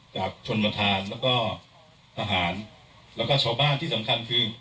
จากชนประธานแล้วก็ทหารแล้วก็ชาวบ้านที่สำคัญคือ